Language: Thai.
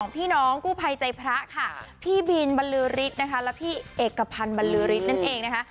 พี่น้องกู้ภัยใจพระค่ะพี่บินบรรลือฤทธิ์นะคะและพี่เอกพันธ์บรรลือฤทธิ์นั่นเองนะคะ